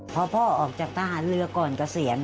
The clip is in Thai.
พอพ่อออกจากทหารเรือก่อนเกษียณ